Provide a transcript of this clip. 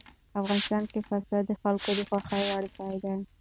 افغانستان کې پسه د خلکو د خوښې وړ ځای دی.